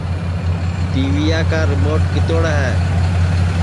ٹی ویا کا رموٹ کیتوڑ ہے